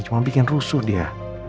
cuma bikin rusuh dia